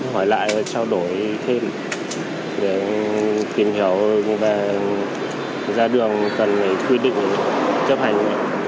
hỏi lại và trao đổi thêm để tìm hiểu và ra đường cần quy định chấp hành